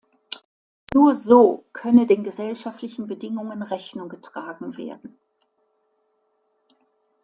Nur so könne den gesellschaftlichen Bedingungen Rechnung getragen werden.